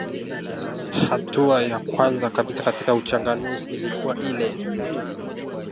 Hatua ya kwanza kabisa katika uchanganuzi ilikuwa ile